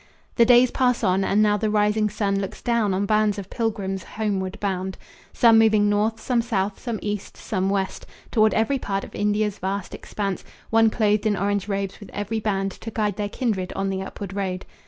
The days pass on; and now the rising sun Looks down on bands of pilgrims homeward bound, Some moving north, some south, some east, some west, Toward every part of India's vast expanse, One clothed in orange robes with every band To guide their kindred on the upward road.